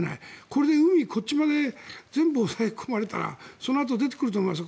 これで海こっちまで全部押さえ込まれたらそのあと、出てくると思います。